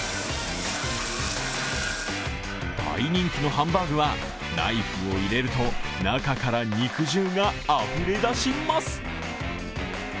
大人気のハンバーグはナイフを入れると中から肉汁があふれ出します。